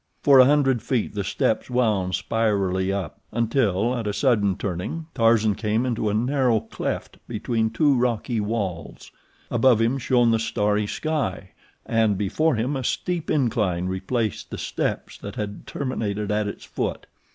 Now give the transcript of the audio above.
For a hundred feet the steps wound spirally up, until at a sudden turning Tarzan came into a narrow cleft between two rocky walls. Above him shone the starry sky, and before him a steep incline replaced the steps that had terminated at its foot.